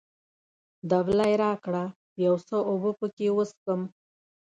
دبلی راکړه، یو څه اوبه پکښې وڅښم.